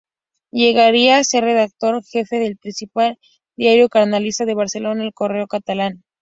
Llegaría a ser redactor jefe del principal diario carlista de Barcelona, "El Correo Catalán".